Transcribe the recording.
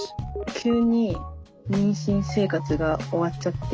急に妊娠生活が終わっちゃって。